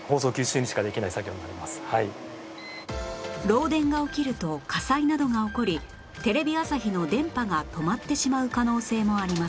漏電が起きると火災などが起こりテレビ朝日の電波が止まってしまう可能性もあります